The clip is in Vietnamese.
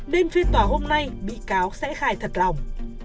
nên phiên tòa hôm nay bị cáo sẽ khai thật lòng